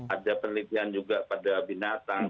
ada penelitian juga pada binatang